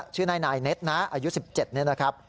ชื่อนายเน็ตนะอายุ๑๗นี่นะครับ